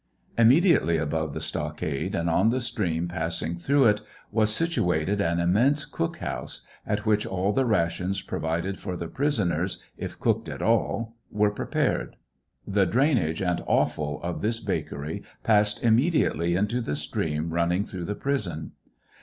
Immediately above the stockade, and on the stream passing through it, was situated an immense cook house, at which all the rations provided for the pris oners, if cooked at all, were prepared. The drainage and oiTal of this bakery passed immediately into the stream running through the prison.